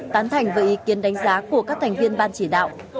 tán thành với ý kiến đánh giá của các thành viên ban chỉ đạo